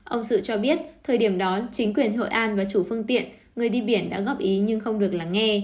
ông sự cho biết thời điểm đó chính quyền hội an và chủ phương tiện người đi biển đã góp ý nhưng không được lắng nghe